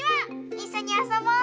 いっしょにあそぼう！